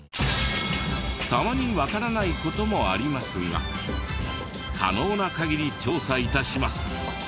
たまにわからない事もありますが可能な限り調査致します！